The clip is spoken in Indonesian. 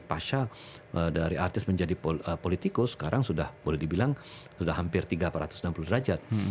pasca dari artis menjadi politikus sekarang sudah boleh dibilang sudah hampir tiga empat ratus enam puluh derajat